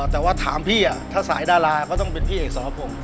แต่ว่าถามพี่ถ้าสายดาราก็ต้องเป็นพี่เอกสรพงศ์